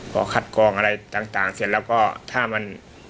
พอคัดกองอะไรต่างเสร็จแล้วก็ถ้ามัน